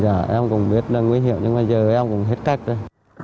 giờ em cũng biết là nguy hiểm nhưng mà giờ em cũng thất nghiệp rồi